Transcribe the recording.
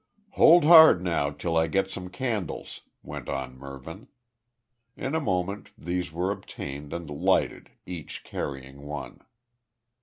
"Hold hard now till I get some candles," went on Mervyn. In a moment these were obtained and lighted, each carrying one.